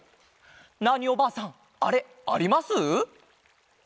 ナーニおばあさんあれあります？